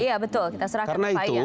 iya betul kita serahkan ke pak aye